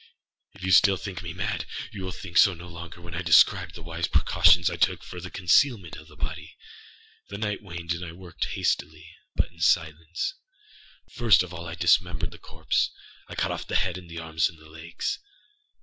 If still you think me mad, you will think so no longer when I describe the wise precautions I took for the concealment of the body. The night waned, and I worked hastily, but in silence. First of all I dismembered the corpse. I cut off the head and the arms and the legs.